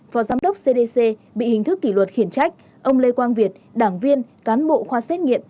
phó giám đốc cdc bị hình thức kỷ luật khiển trách ông lê quang việt đảng viên cán bộ khoa xét nghiệm